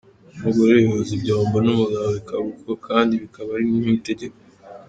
Umugore yoza ibyombo n’ umugabo bikaba uko kandi bikaba ari nk’ itegeko.